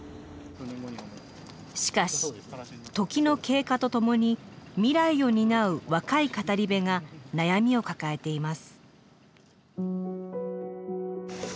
しかし時の経過とともに未来を担う若い語り部が悩みを抱えています。